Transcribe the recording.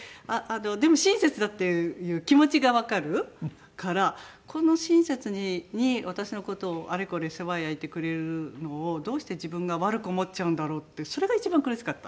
でも親切だっていう気持ちがわかるからこの親切に私の事をあれこれ世話焼いてくれるのをどうして自分が悪く思っちゃうんだろうってそれが一番苦しかった。